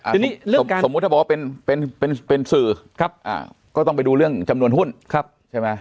ทีนี้สมมุติถ้าบอกว่าเป็นสื่อก็ต้องไปดูเรื่องจำนวนหุ้นใช่ไหม